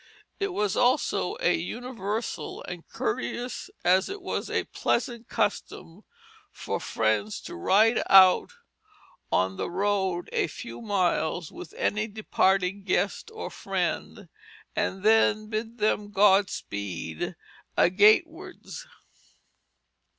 It was also a universal and courteous as it was a pleasant custom for friends to ride out on the road a few miles with any departing guest or friend, and then bid them God speed agatewards.